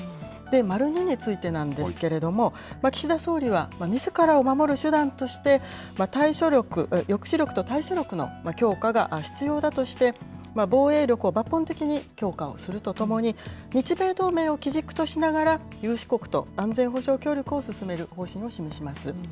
２についてなんですけれども、岸田総理はみずからを守る手段として、抑止力と対処力の強化が必要だとして、防衛力を抜本的に強化をするとともに、日米同盟を基軸としながら、有志国と安全保障協力を進める方針を示します。